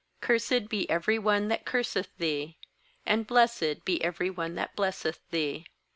Cursed be every one that curseth thee, And blessed be every one that blesseth thee.